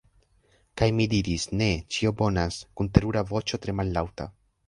Kaj mi diris: "Ne... ĉio bonas." kun terura voĉo tre mallaŭta.